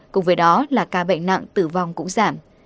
cùng với đó là ca bệnh nặng tử vong cũng giảm